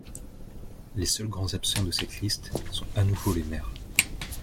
Les seuls grands absents de cette liste sont à nouveau les maires.